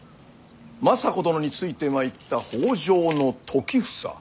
政子殿についてまいった北条時房。